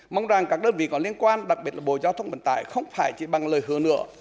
mong rằng các đơn vị có liên quan đặc biệt là bộ giao thông vận tải không phải chỉ bằng lời hứa nữa